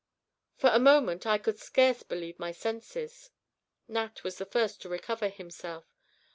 For a moment I could scarce believe my senses. Nat was the first to recover himself.